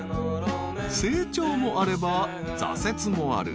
［成長もあれば挫折もある］